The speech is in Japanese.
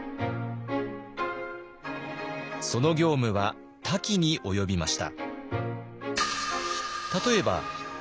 その業務は多岐に及びました。